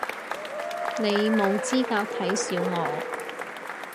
你冇資格睇小我